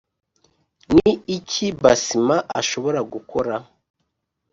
ni iki basma ashobora gukora